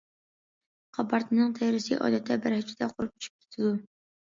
قاپارتمىنىڭ تېرىسى، ئادەتتە، بىر ھەپتىدە قۇرۇپ چۈشۈپ كېتىدۇ.